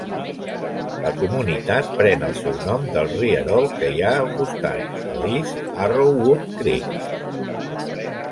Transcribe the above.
La comunitat pren el seu nom del rierol que hi ha al costat, el East Arrowwood Creek.